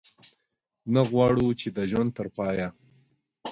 نه غواړو چې د ژوند تر پایه.